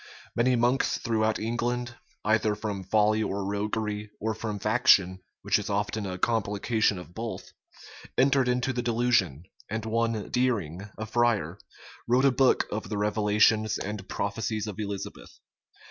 Many monks throughout England, either from folly or roguery, or from faction, which is often a complication of both, entered into the delusion; and one Deering, a friar, wrote a book of the revelations and prophecies of Elizabeth.